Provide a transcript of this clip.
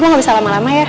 oke gue bisa lama lama ya